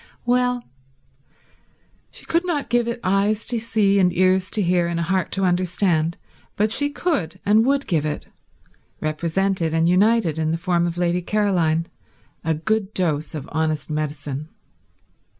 Well, she could not give it eyes to see and ears to hear and a heart to understand, but she could and would give it, represented and united in the form of Lady Caroline, a good dose of honest medicine.